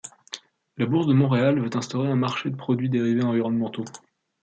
La Bourse de Montréal veut instaurer un marché de produits dérivés environnementaux.